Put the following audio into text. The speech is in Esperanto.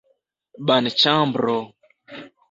banĉambro